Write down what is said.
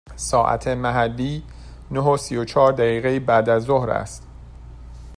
ساعت محلی نه و سی و چهار دقیقه بعد از ظهر است.